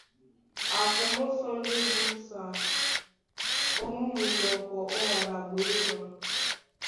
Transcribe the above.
A kumó sɔ́ ndé busa ó mú munɔkɔ ó wala ó ɓwěma.